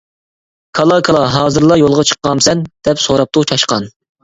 -كالا، كالا، ھازىرلا يولغا چىقامسەن؟ ، -دەپ سوراپتۇ چاشقان.